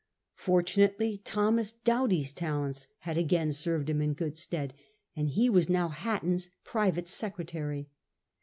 Fortunately Thomas Doughty's talents had again served him in good stead, and he was now Hatton's private secretary.